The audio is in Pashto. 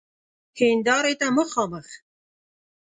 هیندارې ته مخامخ